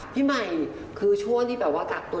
พี่ใหม่คือช่วงที่แบบว่ากักตัว